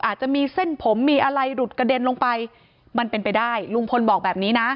อาจจะมีเส้นผมมีอะไรหลุดกระเด็นลงไปมันเป็นไปได้ลุงพลบอกแบบนี้นะ